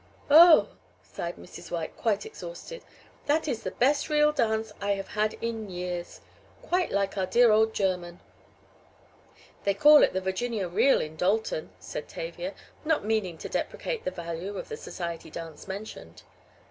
"Oh!" sighed Mrs. White, quite exhausted, "that is the best real dance I have had in years quite like our dear old German." "They call it the Virginia Reel in Dalton," said Tavia, not meaning to deprecate the value of the society dance mentioned.